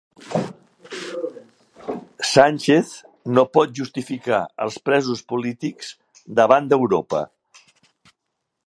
Sánchez no pot justificar els presos polítics davant d'Europa